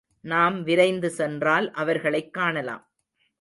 நாம் விரைந்து சென்றால் அவர்களைக் காணலாம்.